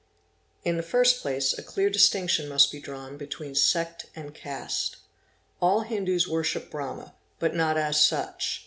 In the first place a clear distinction must be drawn between sect and caste. All Hindus worship Brahma, but not as such.